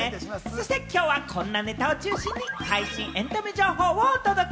きょうは、こんなネタを中心に最新エンタメ情報をお届け。